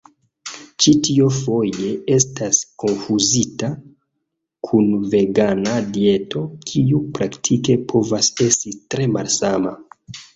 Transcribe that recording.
Ĉi tio foje estas konfuzita kun vegana dieto, kiu praktike povas esti tre malsama.